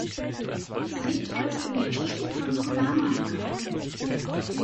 Sie liegt heute in der Kirche von Kullamaa begraben.